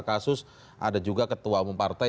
kasus ada juga ketua umum partai